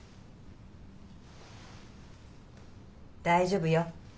大丈夫よ。